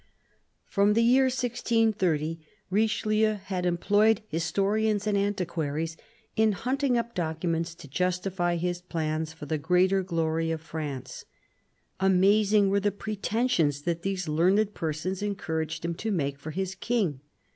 FROM the year 1630, Richelieu had employed historians and antiquaries in hunting up documents to justify his plans for the greater glory of France. Amazing were the pretensions that these learned persons encouraged him to make for his King.